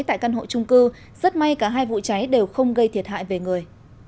tại căn hộ trung cư rất may cả hai vụ cháy đều không gây thiệt hại về người